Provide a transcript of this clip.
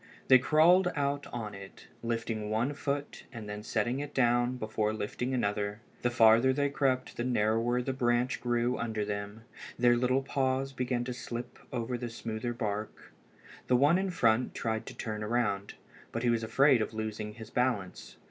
They crawled out on it, lifting one foot and then setting it down before lifting another. The farther they crept the narrower the branch grew under them. Their little paws began to slip over the smoother bark. The one in front tried to turn around, but he was afraid of losing his balance.